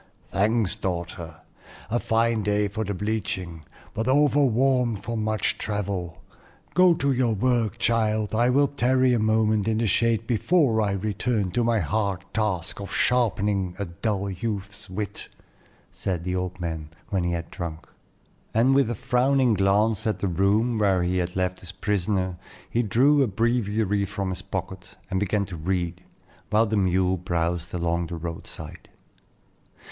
"Thanks, daughter! A fine day for the bleaching, but over warm for much travel. Go to your work, child; I will tarry a moment in the shade before I return to my hard task of sharpening a dull youth's wit," said the old man when he had drunk; and with a frowning glance at the room where he had left his prisoner, he drew a breviary from his pocket and began to read, while the mule browsed along the road side.